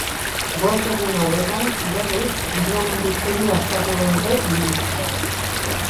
Bost egun hauetan, berriz, dirua nondik kendu aztertuko dute ministroek.